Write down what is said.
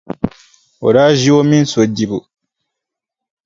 O daa ʒi o mini so dibu.